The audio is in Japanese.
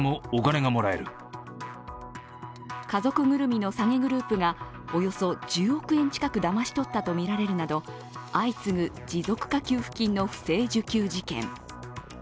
家族ぐるみの詐欺グループがおよそ１０億円近くだまし取ったとみられるなど相次ぐ持続化給付金の不正受給事件。